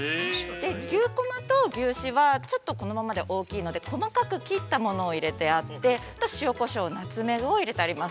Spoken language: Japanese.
牛こまと牛脂はちょっとこのままで大きいので、細かく切ったものを入れてあって、塩、こしょう、ナツメグを入れてあります。